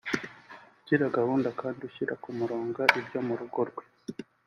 ugira gahunda kandi ushyira ku murongo ibyo mu rugo rwe